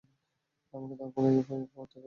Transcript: আমাকে তার পায়ে পড়তে দেখতে চাও?